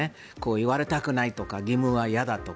言われたくないとか義務は嫌だとか。